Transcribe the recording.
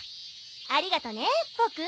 ありがとねボク。